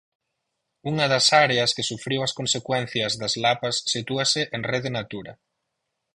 Unha das áreas que sufriu as consecuencias das lapas sitúase en Rede Natura.